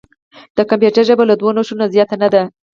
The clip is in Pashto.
د کمپیوټر ژبه له دوه نښو نه زیاته نه ده.